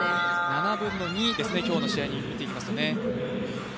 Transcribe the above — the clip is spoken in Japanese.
７分の２ですね、今日の試合見ていきますと。